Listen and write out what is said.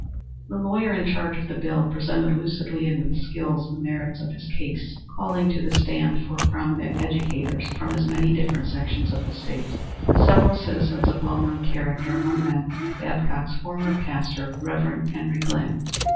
The lawyer in charge of the bill presented lucidly and with skill the merits of his case, calling to the stand four prominent educators from as many different sections of the State, and several citizens of well known character, among them Babcock's former pastor, Rev. Henry Glynn.